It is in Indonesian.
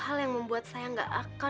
pakai kebaya aja